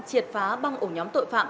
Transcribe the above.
triệt phá băng ổ nhóm tội phạm